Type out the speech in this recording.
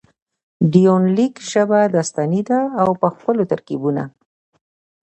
د يونليک ژبه داستاني ده او په ښکلو ترکيبونه.